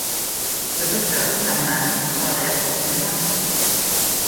Le docteur Zimmermann en sera d'ailleurs profondément affecté.